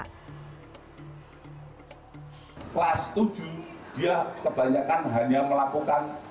kelas tujuh dia kebanyakan hanya melakukan